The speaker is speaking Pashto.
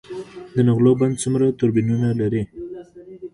د نغلو بند څومره توربینونه لري؟